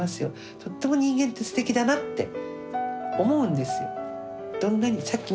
とっても人間ってすてきだなって思うんですよ。